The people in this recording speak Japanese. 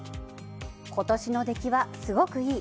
今年の出来はすごくいい。